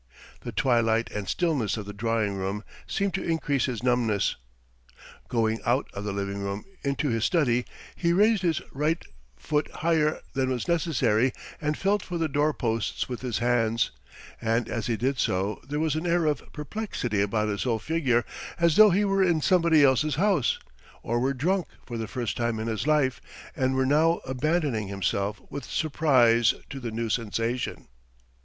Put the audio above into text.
The twilight and stillness of the drawing room seemed to increase his numbness. Going out of the drawing room into his study he raised his right foot higher than was necessary, and felt for the doorposts with his hands, and as he did so there was an air of perplexity about his whole figure as though he were in somebody else's house, or were drunk for the first time in his life and were now abandoning himself with surprise to the new sensation.